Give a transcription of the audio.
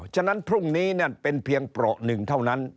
ฉะนั้นพรุ่งนี้เป็นเพียงเปราะหนึ่งเท่านั้น